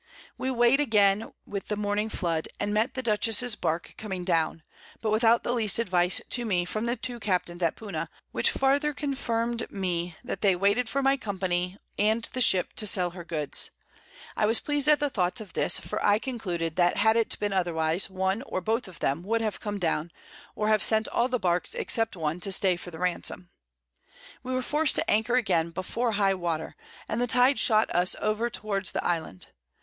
We weigh'd again with the Morning Flood, and met the Dutchess's Bark coming down, but without the least Advice to me from the 2 Captains at Puna, which farther confirm'd me that they waited for my Company, and the Ship, to sell her Goods: I was pleas'd at the Thoughts of this, for I concluded, that had it been otherwise, one, or both of them, would have come down, or have sent all the Barks, except one to stay for the Ransom. We were forced to anchor again before high Water; and the Tide shot us over towards the Island.